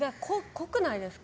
濃くないですか？